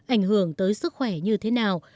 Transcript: ảnh hưởng tới sức khỏe như thế nào